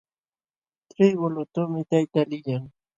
Trigu lutuqmi tayta liyan.